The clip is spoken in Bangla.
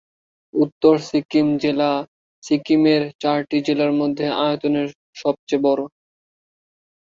উত্তর সিক্কিম জেলা সিকিমের চারটি জেলার মধ্যে আয়তনে সবচেয়ে বড়ো।